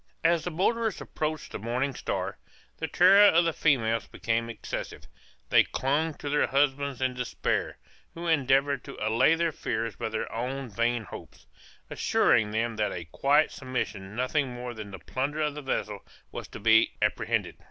As the boarders approached the Morning Star, the terror of the females became excessive; they clung to their husbands in despair, who endeavored to allay their fears by their own vain hopes, assuring them that a quiet submission nothing more than the plunder of the vessel was to be apprehended.